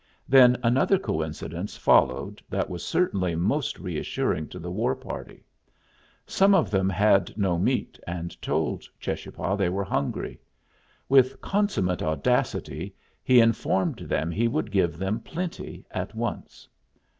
Then another coincidence followed that was certainly most reassuring to the war party. Some of them had no meat, and told Cheschapah they were hungry. With consummate audacity he informed them he would give them plenty at once.